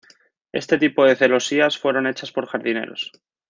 Este tipo de celosías fueron hechas por jardineros.